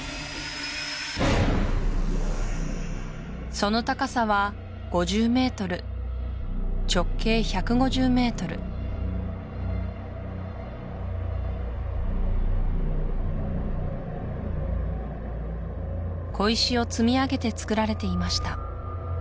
その高さは５０ｍ直径１５０ｍ小石を積み上げてつくられていました